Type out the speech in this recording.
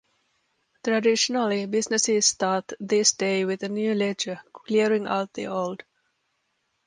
Traditionally, businesses start this day with a new ledger, clearing out the old.